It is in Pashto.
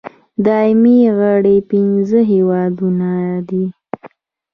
دایمي غړي پنځه هېوادونه دي.